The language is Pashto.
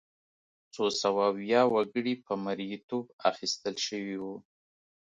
څو سوه ویا وګړي په مریتوب اخیستل شوي وو.